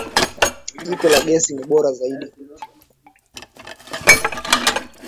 Jiko la gesi ni bora zaidi.